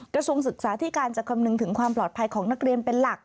กระทรวงศึกษาที่การจะคำนึงถึงความปลอดภัยของนักเรียนเป็นหลัก